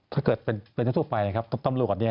ถ้าเกิดเป็นเรื่องทั่วไปต้องรู้ก่อน